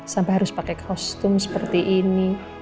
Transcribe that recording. sampai harus pakai kostum seperti ini